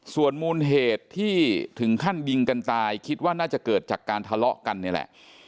ส่วนมูลเหตุที่ถึงขั้นยิงกันตายคิดว่าน่าจะเกิดจากการทะเลาะกันนี่แหละ